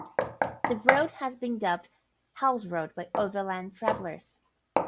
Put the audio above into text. The road has been dubbed "Hell's Road" by overland travellers.